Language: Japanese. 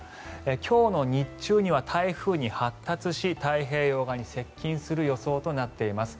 今日の日中には台風に発達し太平洋側に接近する予想となっています。